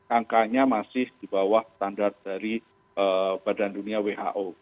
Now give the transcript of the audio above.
angkanya masih di bawah standar dari badan dunia who